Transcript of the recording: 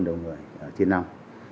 đầu người trên năm